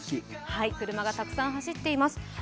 車がたくさん走っています。